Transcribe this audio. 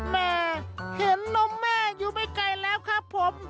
แม่เห็นนมแม่อยู่ไม่ไกลแล้วครับผม